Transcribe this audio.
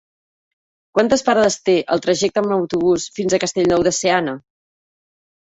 Quantes parades té el trajecte en autobús fins a Castellnou de Seana?